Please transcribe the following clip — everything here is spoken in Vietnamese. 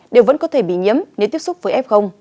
đều vẫn có thể bị nhiễm nếu tiếp xúc với f